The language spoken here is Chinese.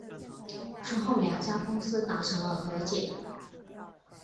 之后两家公司达成了和解。